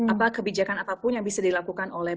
apa kebijakan apapun yang bisa dilakukan oleh